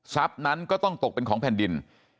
นั้นก็ต้องตกเป็นของแผ่นดิน